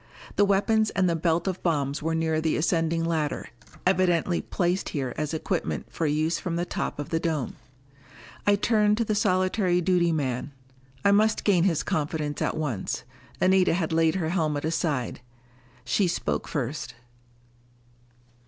The weapons and the belt of bombs were near the ascending ladder, evidently placed here as equipment for use from the top of the dome. I turned to the solitary duty man. I must gain his confidence at once. Anita had laid her helmet aside. She spoke first.